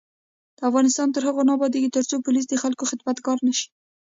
افغانستان تر هغو نه ابادیږي، ترڅو پولیس د خلکو خدمتګار نشي.